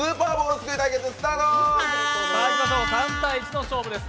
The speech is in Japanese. ３対１の勝負です。